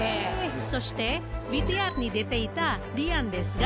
そしてＶＴＲに出ていたディアンですが。